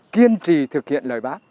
kiên trì thực hiện lời bác